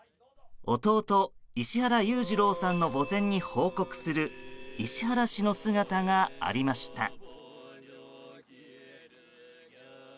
弟・石原裕次郎さんの墓前に報告する石原氏の姿がありました。